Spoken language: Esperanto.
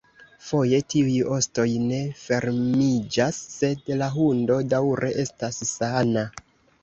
Foje tiuj ostoj ne fermiĝas, sed la hundo daŭre estas sana.